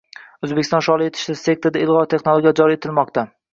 O‘zbekiston sholi yetishtirish sektorida ilg‘or texnologiyalar joriy etilmoqdang